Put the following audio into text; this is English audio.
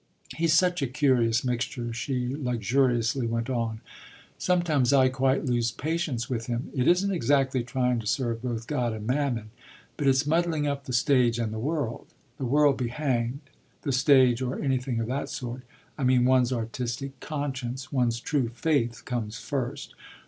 "He's such a curious mixture," she luxuriously went on; "sometimes I quite lose patience with him. It isn't exactly trying to serve both God and Mammon, but it's muddling up the stage and the world. The world be hanged! The stage, or anything of that sort I mean one's artistic conscience, one's true faith comes first."